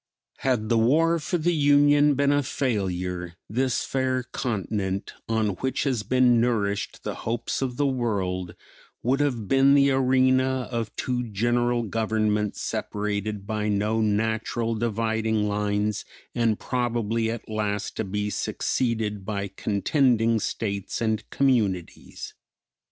Had the war for the Union been a failure this fair continent on which has been nourished the hopes of the world would have been the arena of two general governments separated by no natural dividing lines and probably at last to be succeeded by contending states and communities.